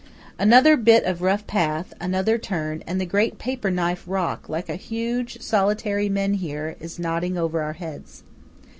Another bit of rough path, another turn, and the great paper knife rock, like a huge, solitary Menhir, is nodding over our heads.